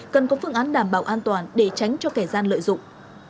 cần có phương án đảm bảo an toàn để tránh cho kẻ gian lợi dụng